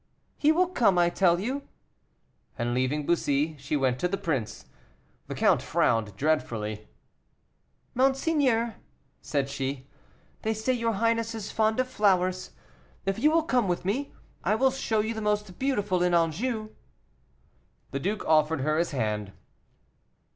"He will come, I tell you." And, leaving Bussy, she went to the prince. The count frowned dreadfully. "Monseigneur," said she, "they say your highness is fond of flowers; if you will come with me, I will show you the most beautiful in Anjou." The duke offered her his hand.